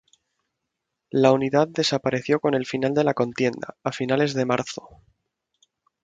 La unidad desapareció con el final de la contienda, a finales de marzo.